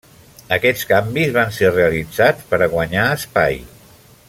Aquests canvis van ser realitzats per a guanyar espai.